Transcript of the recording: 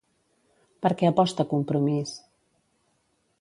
Per què aposta Compromís?